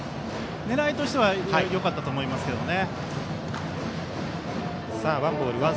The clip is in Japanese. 狙いとしてはよかったと思いますけどね。